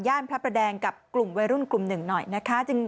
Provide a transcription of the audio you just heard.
พระประแดงกับกลุ่มวัยรุ่นกลุ่มหนึ่งหน่อยนะคะ